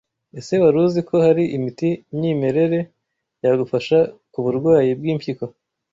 Ese wari uzi ko hari imiti myimerere yagufasha ku burwayi bw’impyiko ?